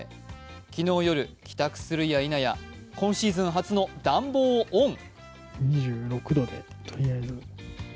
昨日夜、帰宅するやいなや今シーズン初の暖房をオン！